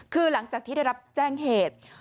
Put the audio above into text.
คือหลังจากที่ได้รับแจ้งเหตุ